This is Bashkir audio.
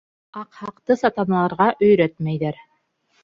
Аҡһаҡты сатанларға өйрәтмәйҙәр.